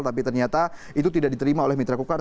tapi ternyata itu tidak diterima oleh mitra kukar